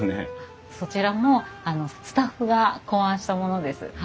そちらもスタッフが考案したものです。